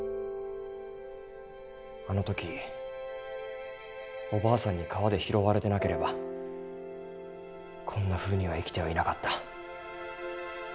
あの時おばあさんに川で拾われてなければこんなふうには生きてはいなかった。